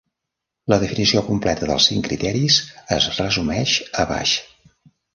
La definició completa dels cinc criteris es resumeix a baix.